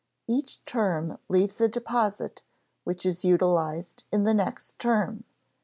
Each term leaves a deposit which is utilized in the next term.